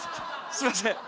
すいません！